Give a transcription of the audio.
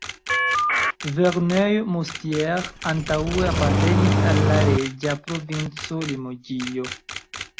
Verneuil-Moustiers antaŭe apartenis al la reĝa provinco Limoĝio.